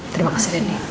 terima kasih denny